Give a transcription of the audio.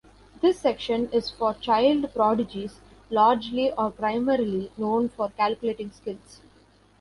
This section is for child prodigies largely or primarily known for calculating skills.